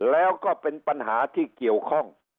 แล้วก็เป็นปัญหาที่เกี่ยวข้อง